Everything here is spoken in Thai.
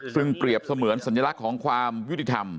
ซึ่งเปรียบเสมือนสัญลักษณ์ของความยุติธรรม